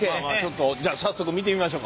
じゃあ早速見てみましょうかね。